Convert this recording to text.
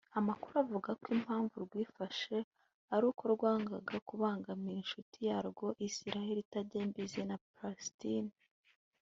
Amakuru akavuga ko impamvu rwifashe ari uko rwangaga kubangamira inshuti yarwo Israel itajya imbizi na Palestine